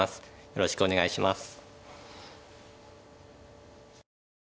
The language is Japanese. よろしくお願いします。